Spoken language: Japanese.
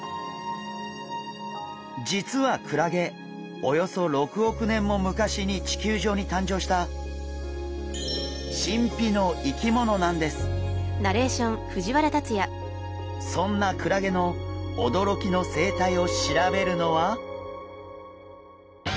実はクラゲおよそ６億年も昔に地球上に誕生したそんなクラゲのおどろきの生態を調べるのは？